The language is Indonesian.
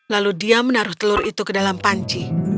lalu dia menaruh telur itu ke dalam panci